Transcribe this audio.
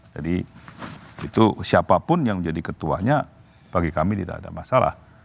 jadi itu siapapun yang menjadi ketuanya bagi kami tidak ada masalah